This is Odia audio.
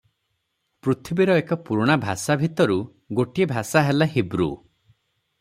ପୃଥିବୀର ଏକ ପୁରୁଣା ଭାଷା ଭିତରୁ ଗୋଟିଏ ଭାଷା ହେଲା ହିବ୍ରୁ ।